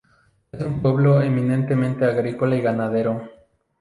Es un pueblo eminentemente agrícola y ganadero.